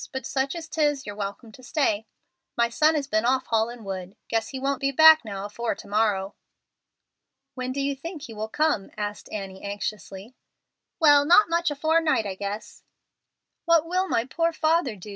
But such as 'tis you're welcome to stay. My son has been off haulin' wood; guess he won't be back now afore to morrow." "When do you think he will come?" asked Annie, anxiously. "Well, not much afore night, I guess." "What will my poor father do?"